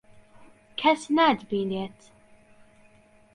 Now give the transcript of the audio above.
کەس ناتبینێت.